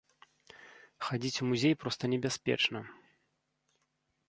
Хадзіць у музей проста небяспечна.